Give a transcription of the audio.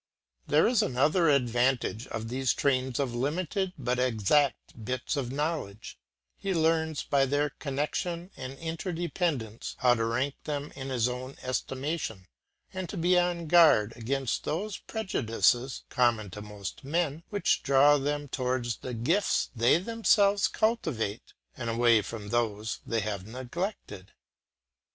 There is another advantage of these trains of limited but exact bits of knowledge; he learns by their connection and interdependence how to rank them in his own estimation and to be on his guard against those prejudices, common to most men, which draw them towards the gifts they themselves cultivate and away from those they have neglected.